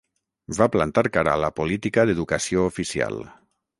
Va plantar cara a la política d'educació oficial.